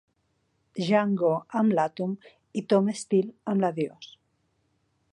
Jean Gau amb l'Atom i Tom Steele amb l'Adios.